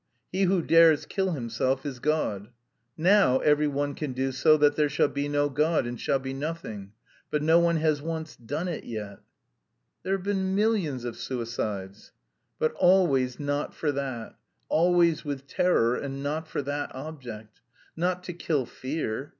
He who dares kill himself is God. Now every one can do so that there shall be no God and shall be nothing. But no one has once done it yet." "There have been millions of suicides." "But always not for that; always with terror and not for that object. Not to kill fear.